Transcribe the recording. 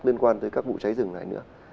liên quan tới các vụ cháy rừng này nữa